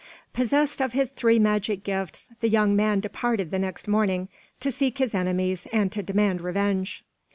Possessed of his three magic gifts, the young man departed the next morning, to seek his enemies and to demand revenge.